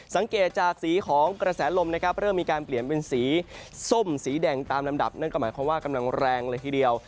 สังเกตจากสีของกระแสลมนะครับเริ่มมีการเปลี่ยนเป็นสีส้มสีแดงตามลำดับนั่นก็หมายความว่ากำลังแรงเลยทีเดียว